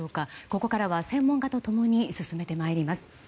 ここからは専門家と共に進めてまいります。